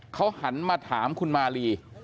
เขาหันมาถามคุณมาลี